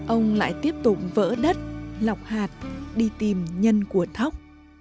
ông lại tiếp tục vỡ đất lọc hạt đi tìm nhân của thóc